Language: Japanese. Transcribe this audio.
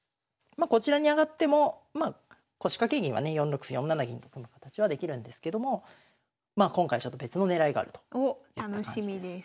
まあこちらに上がっても腰掛け銀はね４六歩４七銀と組む形はできるんですけども今回ちょっと別の狙いがあるとおっ楽しみです。